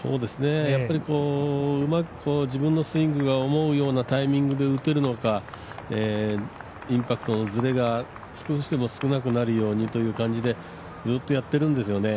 やっぱりうまく、自分のスイングが思うようなタイミングで打てるのか、インパクトのずれが少しでも少なくなるようにという感じでずっとやってるんですよね。